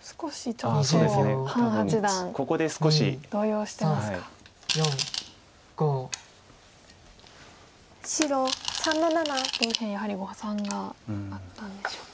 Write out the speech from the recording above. ちょっと右辺やはり誤算があったんでしょうか。